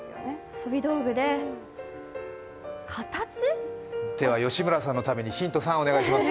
遊び道具で形吉村さんのためにヒント３をお願いします。